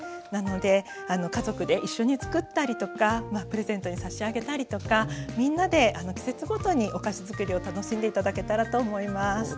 なので家族で一緒につくったりとかプレゼントに差し上げたりとかみんなで季節ごとにお菓子づくりを楽しんで頂けたらと思います。